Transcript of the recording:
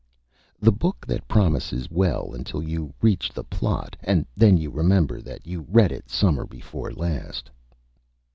The Book that Promises well until you reach the Plot, and then you Remember that you read it Summer before last.